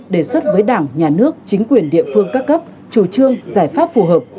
đề xuất với đảng nhà nước chính quyền địa phương các cấp chủ trương giải pháp phù hợp